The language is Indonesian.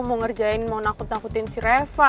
mau ngerjain mau nakut nakutin si reva